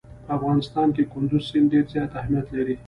په افغانستان کې کندز سیند ډېر زیات اهمیت لري.